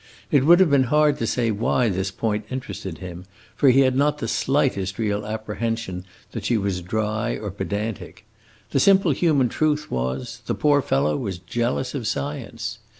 It would have been hard to say why this point interested him, for he had not the slightest real apprehension that she was dry or pedantic. The simple human truth was, the poor fellow was jealous of science.